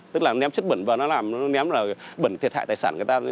tức là ném chất bẩn vào nó làm ném là bẩn thiệt hại tài sản người ta